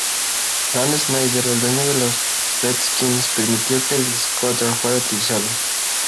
Dan Snyder, el dueño de los Redskins permitió que el scooter fuera utilizado.